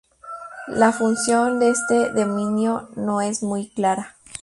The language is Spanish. La función de este dominio no es muy clara.